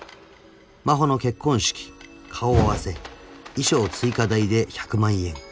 ［真帆の結婚式顔合わせ衣装追加代で１００万円］